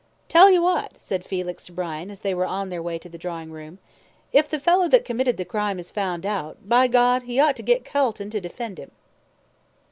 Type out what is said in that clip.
"Tell you what," said Felix to Brian, as they were on their way to the drawing room, "if the fellow that committed the crime, is found out, by gad, he ought to get Calton to defend him."